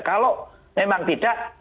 kalau memang tidak kita jaga